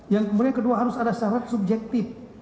yang kemudian kedua harus ada syarat subjektif